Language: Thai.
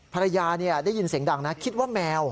ภรรยาได้ยินเสียงดังนะคิดว่าแมว